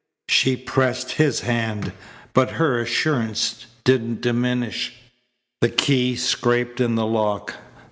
She pressed his hand, but her assurance didn't diminish. The key scraped in the lock.